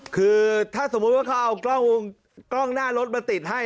คือถ้าสมมุติว่าเขาเอากล้องหน้ารถมาติดให้